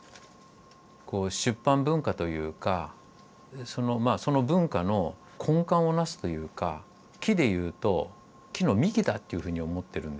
出版文化というかその文化の根幹を成すというか木で言うと木の幹だっていうふうに思ってるんですよ。